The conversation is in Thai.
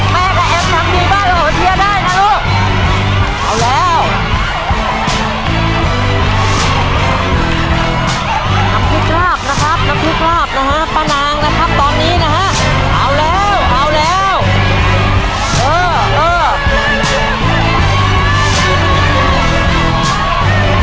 แม่กับแอฟทำดีกว่าเหลือของเฮียได้นะลูก